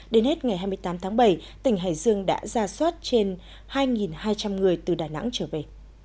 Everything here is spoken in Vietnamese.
đến hết ngày hai mươi tám tháng bảy tỉnh hải dương đã ra soát trên hai hai trăm linh người từ đà nẵng trở về